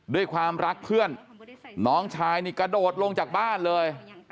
ด้วยความรักเพื่อนน้องชายนี่กระโดดลงจากบ้านเลย